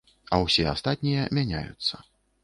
А ўсе астатнія мяняюцца.